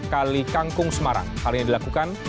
kali kangkung semarang hal ini dilakukan